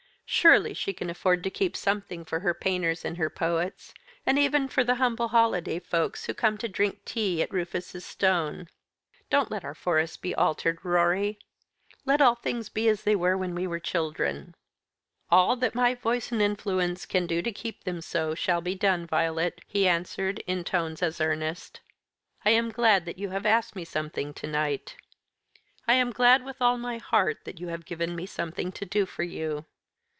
Surely she can afford to keep something for her painters and her poets, and even for the humble holiday folks who come to drink tea at Rufus's stone. Don't let our Forest be altered, Rorie. Let all things be as they were when we were children." "All that my voice and influence can do to keep them so shall be done, Violet," he answered in tones as earnest. "I am glad that you have asked me something to night. I am glad, with all my heart, that you have given me something to do for you.